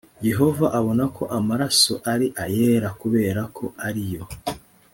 yehova abona ko amaraso ari ayera kubera ko ari yo